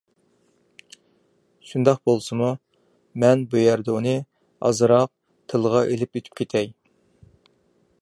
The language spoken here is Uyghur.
شۇنداق بولسىمۇ مەن بۇ يەردە ئۇنى ئازراق تىلغا ئېلىپ ئۆتۈپ كېتەي.